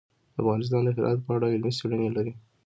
افغانستان د هرات په اړه علمي څېړنې لري.